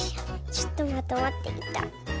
ちょっとまとまってきた。